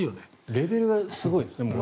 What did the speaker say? レベルがすごいですね。